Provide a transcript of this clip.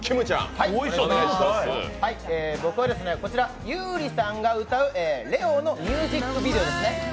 僕はこちら、優里さんが歌う「レオ」のミュージックビデオですね。